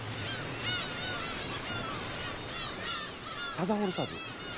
サザンオールスターズ？